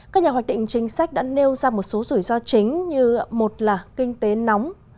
các nhà hoạch định chính sách đã nêu ra một số rủi ro chính như một là kinh tế nóng